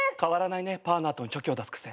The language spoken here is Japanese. パーの後にチョキを出す癖。